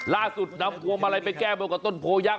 ล่าสุดนำภวงมาลัยไปแก้เบลกกับต้นโผล่ยักษ์